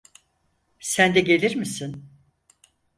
Sen de gelir misin?